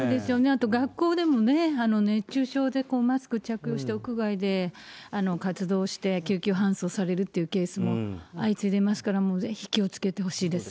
あと学校でもね、熱中症でマスク着用して、屋外で活動して、救急搬送されるっていうケースも相次いでいますから、もうぜひ、気をつけてほしいです。